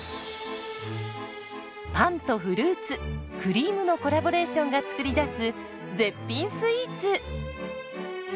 パンとフルーツクリームのコラボレーションが作り出す絶品スイーツ。